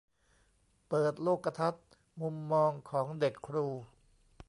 เปิดโลกทัศน์มุมมองของเด็กครู